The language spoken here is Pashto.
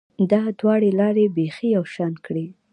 دا دواړې لارې بیخي یو شان کړې